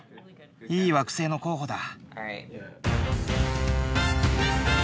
・いい惑星の候補だ！